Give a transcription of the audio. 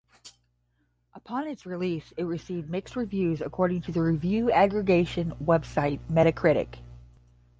Upon its release, it received mixed reviews according to the review aggregation website Metacritic.